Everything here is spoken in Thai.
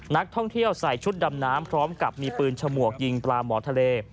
นักท่องเที่ยวใส่ชุดดำน้ำพร้อมกับมีปืนฉมวกยิงปลาหมอทะเล